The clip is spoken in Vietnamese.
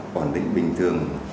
còn định bình thường